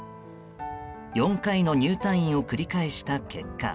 ４回の入退院を繰り返した結果